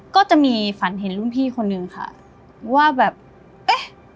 ก็จะมีฝันเห็นรุ่นพี่คนนึงค่ะว่าแบบเอ๊ะ